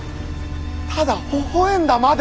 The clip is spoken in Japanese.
ただほほ笑んだまで！